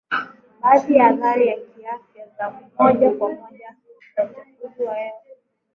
Baadhi ya athari za kiafya za moja kwa moja za uchafuzi wa hewa